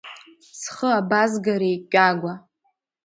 Схы абазгареи, Кьагәа?!